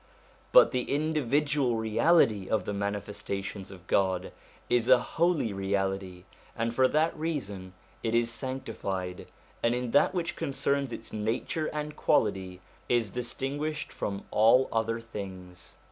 But the individual reality of the Manifestations of God is a holy reality, and for that reason it is sancti fied, and in that which concerns its nature and quality, is distinguished from all other things.